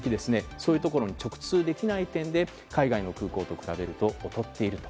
そういうところも直通できない点で海外の空港と比べると劣っている。